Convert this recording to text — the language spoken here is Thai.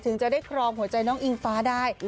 จะได้ครองหัวใจน้องอิงฟ้าได้